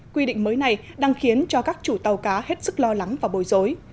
quy định mới này đang khiến cho các chủ tàu cá hết sức lo lắng và bồi dối